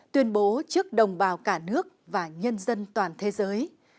tuyên bố trước đồng bào cả nước và nhân dân toàn thế giới